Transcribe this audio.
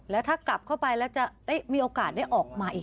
แล้วถ้ากลับเข้าไปแล้วจะได้มีโอกาสได้ออกมาอีก